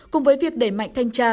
cùng với việc đẩy mạnh thanh tra